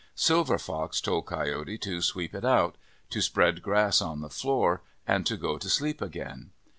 Silver Fox told Coyote to sweep it out, to spread grass on the floor, and to go to sleep again.